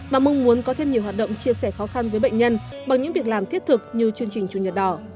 mà mong muốn có thêm nhiều hoạt động chia sẻ khó khăn với bệnh nhân bằng những việc làm thiết thực như chương trình chủ nhật đỏ